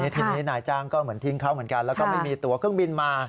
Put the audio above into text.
ทีนี้นายจ้างก็เหมือนทิ้งเขาเหมือนกันแล้วก็ไม่มีตัวเครื่องบินมา